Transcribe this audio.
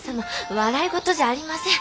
笑い事じゃありません。